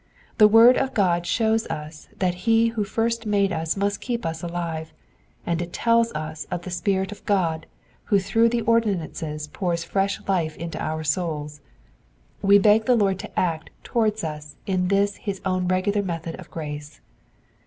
The word of God shows us that he who first made us must keep us alive, and it tells us of the Spirit of God who through the ordinances pours fresh life into our souls ; we beg the Lord to act towards us in this his own regular method of grace.